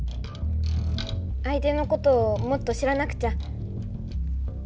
あいてのことをもっと知らなくちゃ。